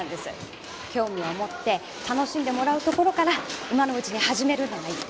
興味を持って楽しんでもらうところから今のうちに始めるのがいいって。